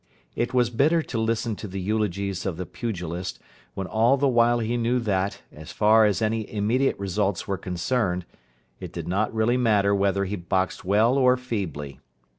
It was bitter to listen to the eulogies of the pugilist, when all the while he knew that, as far as any immediate results were concerned, it did not really matter whether he boxed well or feebly.